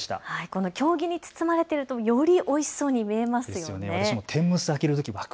この経木に包まれているとよりおいしそうに見えますよね。